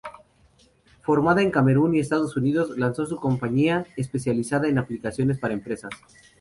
Formada en Camerún y Estados Unidos, lanzó su compañía, especializada en aplicaciones para empresas.